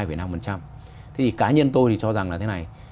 thế thì cá nhân tôi thì cho rằng là thế này